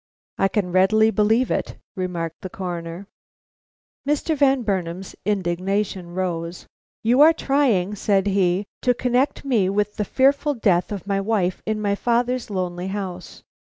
"I can readily believe it," remarked the Coroner. Mr. Van Burnam's indignation rose. "You are trying," said he, "to connect me with the fearful death of my wife in my father's lonely house.